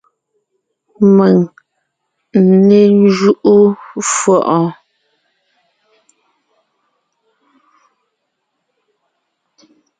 Mèŋ n né ńjúʼu fʉʼɔɔn!